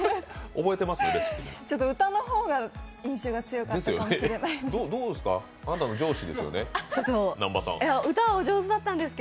ちょっと歌の方が印象が強かったかもしれないです。